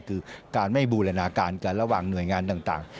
คือการไม่บูรณาการกันระหว่างหน่วยงานต่าง